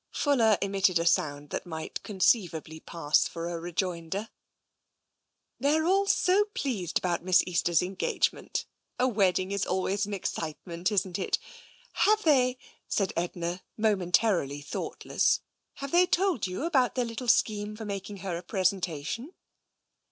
Fuller emitted a sound that might conceivably pass for a rejoinder. i82 TENSION " They're all so pleased about Miss Easter's en gagement — a wedding is always an excitement, isn't it? Have they," said Edna, momentarily thoughtless, " have they told you of their little scheme for making her a presentation?"